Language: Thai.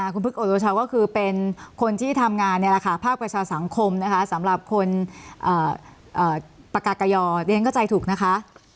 คุณพึกโอโดเชาก็คือเป็นคนที่ทำงานในราคาภาพประชาสังคมนะคะสำหรับคนประกาศกยอดนั้นก็ใจถูกนะคะ